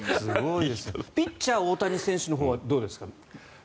ピッチャー・大谷選手のほうはどうですか？